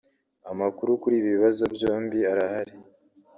Amakuru kuri ibi bibazo byombi arahari